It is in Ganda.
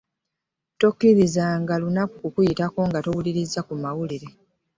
Tokkirizanga lunaku kukuyitako nga towulirizza ku mawulire.